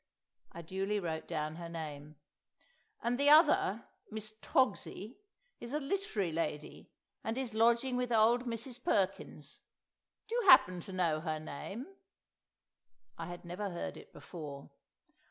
I duly wrote down her name. "And the other, Miss Togsie, is a literary lady, and is lodging with old Mrs. Perkins; do you happen to know her name?" I had never heard it before.